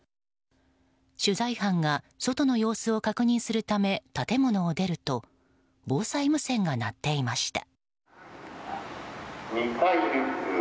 取材班が外の様子を確認するため建物を出ると防災無線が鳴っていました。